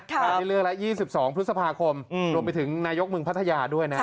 อันนี้เรื่องละ๒๒พฤษภาคมรวมไปถึงนายกเมืองพัทยาด้วยนะ